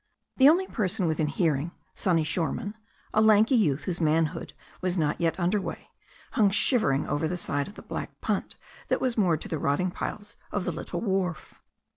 The only person within hearing, Sonny Shoreman, a lanky youth whose manhood was not yet under way, hung shiver ing over the side of the black punt that was moored to the rotting piles of the little wharf.